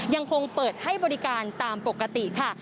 ยังคงเปิดให้บริการตามปกติค่ะ